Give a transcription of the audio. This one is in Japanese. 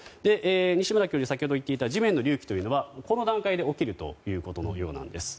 西村教授が先ほど言っていた地面の隆起はこの段階で起きるということのようです。